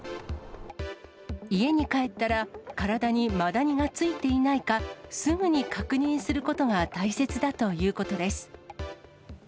家に帰ったら、体にマダニがついていないか、すぐに確認することが大切だということです。